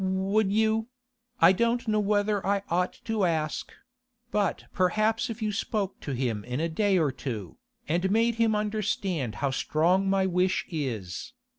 Would you—I don't know whether I ought to ask—but perhaps if you spoke to him in a day or two, and made him understand how strong my wish is.